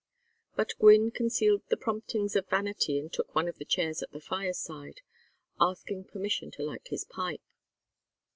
But Gwynne concealed the promptings of vanity and took one of the chairs at the fireside, asking permission to light his pipe.